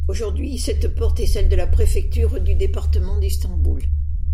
Aujourd'hui, cette porte est celle de la préfecture du département d'Istanbul.